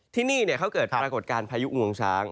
ที่นี่เขาเกิดปรากฏการณ์พายุงวงช้าง